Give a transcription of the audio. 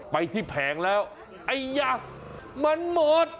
ไปที่แผงแล้วไอ้ยะมันหมด